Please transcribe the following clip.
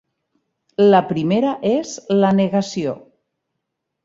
La primera és la negació.